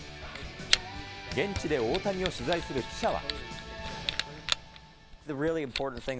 現地で大谷を取材する記者は。